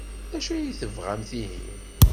D acu ay tebɣamt ihi?